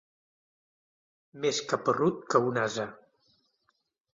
Més caparrut que un ase.